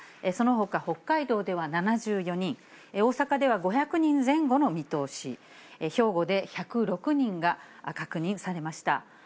そのほか北海道では７４人、大阪では５００人前後の見通し、兵庫で１０６人が確認されました。